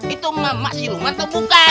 itu mamah suruman atau bukan